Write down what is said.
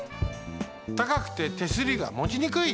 たかくて手すりがもちにくい。